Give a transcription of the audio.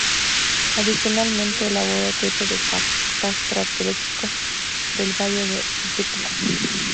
Adicionalmente, elaboró el Proyecto de Catastro Arqueológico del Valle del Rímac.